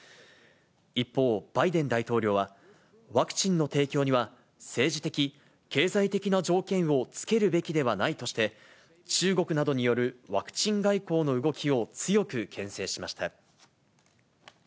一方、バイデン大統領は、ワクチンの提供には、政治的、経済的な条件を付けるべきではないとして、中国などによるワクチン外交の動きを強くけん制しました。